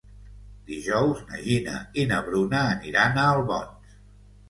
Dijous na Gina i na Bruna aniran a Albons.